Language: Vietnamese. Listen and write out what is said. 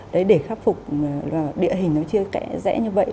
đấy để khắc phục địa hình nó chưa kẽ như vậy